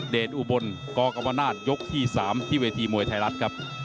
อุบลกกรรมนาศยกที่๓ที่เวทีมวยไทยรัฐครับ